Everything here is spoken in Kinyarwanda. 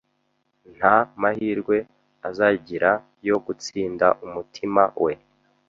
Nta mahirwe azagira yo gutsinda umutima we